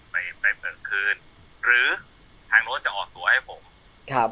ไม่เผินคืนหรือทางโน้นจะออกส่วนให้ผม